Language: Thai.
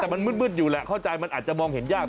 แต่มันมืดอยู่แหละเข้าใจมันอาจจะมองเห็นยาก